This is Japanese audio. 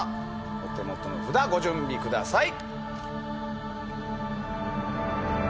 お手元の札ご準備ください。